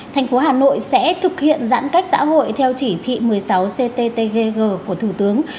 thành phố hà nội sẽ thực hiện giãn cách xã hội theo chỉ thị một mươi sáu cttg của thủ tướng